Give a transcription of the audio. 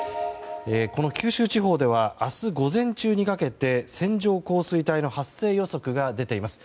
この九州地方では明日午前中にかけて線状降水帯の発生予測が出ています。